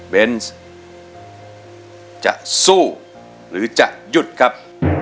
เบนส์จะสู้หรือจะหยุดครับ